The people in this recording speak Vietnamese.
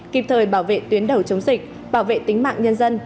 kịp thời bảo vệ tuyến đầu chống dịch bảo vệ tính mạng nhân dân